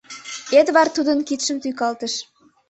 Эдвард тудын кидшым тӱкалтыш.